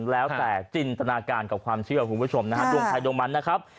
แล้วแต่จินตนาการกับความเชื่อคุณผู้ชมนะฮะดวงใครดวงมันนะครับ